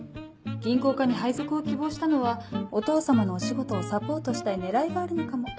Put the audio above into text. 銀行課に配属を希望したのはお父様のお仕事をサポートしたい狙いがあるのかも。